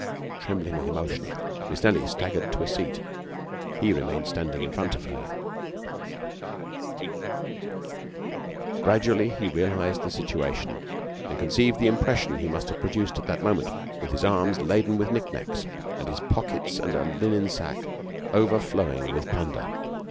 Trembling with emotion, Miss Nelly staggered to a seat. He remained standing in front of her. Gradually, he realized the situation and conceived the impression he must have produced at that moment with his arms laden with knick knacks, and his pockets and a linen sack overflowing with plunder.